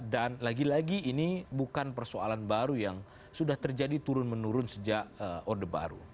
dan lagi lagi ini bukan persoalan baru yang sudah terjadi turun menurun sejak orde baru